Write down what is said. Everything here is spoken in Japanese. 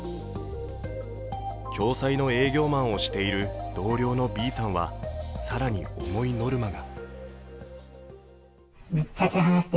共済の営業マンをしている同僚のＢさんは更に重いノルマが。